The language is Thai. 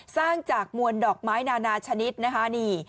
สร้างจากมวลดอกไม้นานาชนิดนะคะนี่